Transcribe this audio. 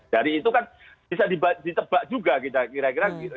dari itu kan bisa ditebak juga kita kira kira gitu